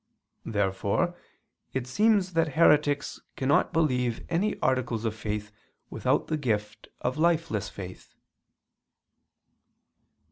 Therefore it seems that heretics cannot believe any articles of faith without the gift of lifeless faith.